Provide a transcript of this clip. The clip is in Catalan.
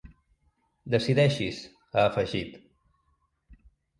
Decideixi’s, ha afegit.